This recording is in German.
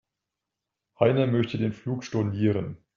Heiner möchte den Flug stornieren.